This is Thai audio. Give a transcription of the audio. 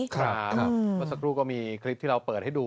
เมื่อสักครู่ก็มีคลิปที่เราเปิดให้ดู